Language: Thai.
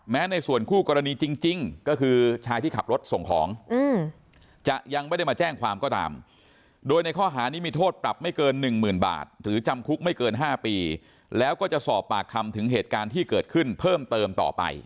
ในส่วนคู่กรณีจริงก็คือชายที่ขับรถส่งของจะยังไม่ได้มาแจ้งความก็ตามโดยในข้อหานี้มีโทษปรับไม่เกินหนึ่งหมื่นบาทหรือจำคุกไม่เกิน๕ปีแล้วก็จะสอบปากคำถึงเหตุการณ์ที่เกิดขึ้นเพิ่มเติมต่อไป